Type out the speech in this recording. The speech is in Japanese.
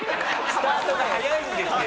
スタートが早いんですよ。